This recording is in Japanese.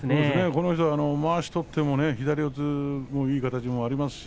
この人はまわしを取ってもいい形になります。